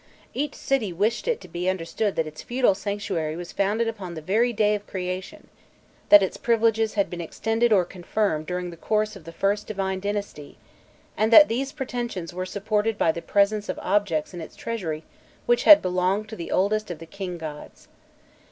Each city wished it to be understood that its feudal sanctuary was founded upon the very day of creation, that its privileges had been extended or confirmed during the course of the first divine dynasty, and that these pretensions were supported by the presence of objects in its treasury which had belonged to the oldest of the king gods.